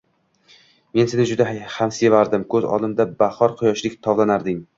Men seni juda ham sevardim. Ko’z oldimda bahor quyoshidek tovlanarding.